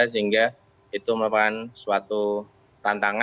sehingga itu merupakan suatu tantangan